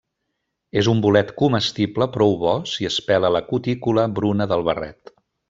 És un bolet comestible prou bo si es pela la cutícula bruna del barret.